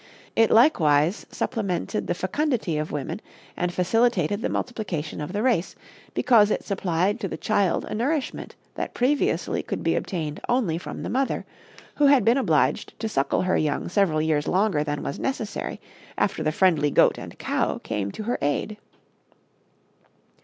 It likewise supplemented the fecundity of women and facilitated the multiplication of the race, because it supplied to the child a nourishment that previously could be obtained only from the mother, who had been obliged to suckle her young several years longer than was necessary after the friendly goat and cow came to her aid.